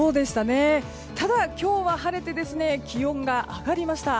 ただ、今日は晴れて気温が上がりました。